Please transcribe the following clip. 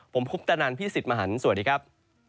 ผมพุทธนันทร์พี่สิทธิ์มหันศ์สวัสดีครับ